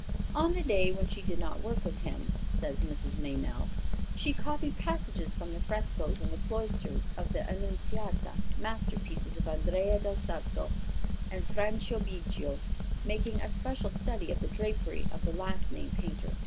"On the day when she did not work with him," says Mrs. Meynell, "she copied passages from the frescoes in the cloisters of the Annunziata, masterpieces of Andrea del Sarto and Franciabigio, making a special study of the drapery of the last named painter.